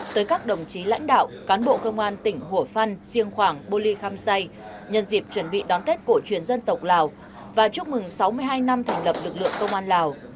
tới các đồng chí lãnh đạo cán bộ công an tỉnh hủa phăn siêng khoảng bô ly khăm say nhân dịp chuẩn bị đón tết cổ truyền dân tộc lào và chúc mừng sáu mươi hai năm thành lập lực lượng công an lào